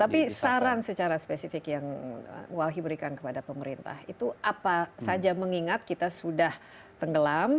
tapi saran secara spesifik yang walhi berikan kepada pemerintah itu apa saja mengingat kita sudah tenggelam